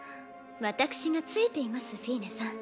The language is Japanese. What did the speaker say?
私が付いていますフィーネさん。